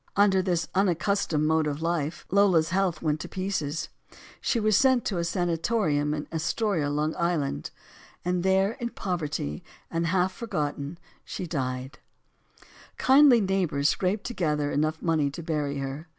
Under this unaccustomed mode of life, Lola's health went to pieces. She was sent to a sanitarium in As toria, L. I. And there, in poverty and half forgotten, 38 STORIES OF THE SUPER WOMEN she died. Kindly neighbors scraped together enough money to bury her.